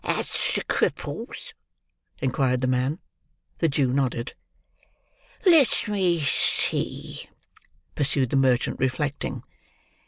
"At the Cripples?" inquired the man. The Jew nodded. "Let me see," pursued the merchant, reflecting.